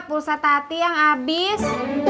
pulsat tati yang abis